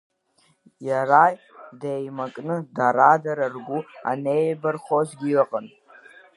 Иара деимакны, дара-дара ргәы аннеибархозгьы ыҟан.